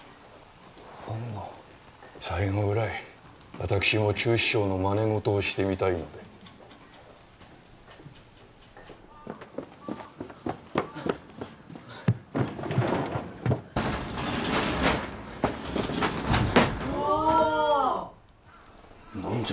ほんな最後ぐらい私も厨司長のまね事をしてみたいので・おおッ何じゃ？